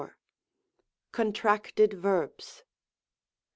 Contracted Verbs.